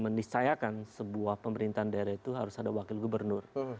mendiscayakan sebuah pemerintahan daerah itu harus ada wakil gubernur